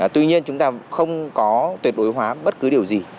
tuy nhiên chúng ta không có tuyệt đối hóa bất cứ điều gì